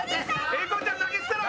英孝ちゃん投げ捨てろ！